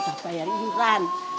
bang siapa yang mau cari